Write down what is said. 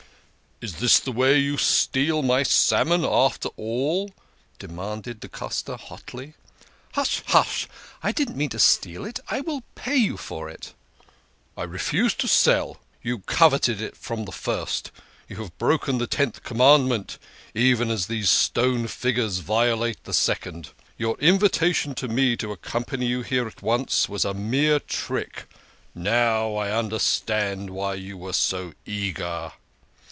" Is this the way you steal my salmon, after all ?" demanded da Costa hotly. " Hush, hush ! I didn't mean to steal it ! I will pay you for it !"" I refuse to sell ! You coveted it from the first you have broken the Tenth Commandment, even as these stone figures violate the Second. Your invitation to me to accom pany you here at once was a mere trick. Now I understand why you were so eager."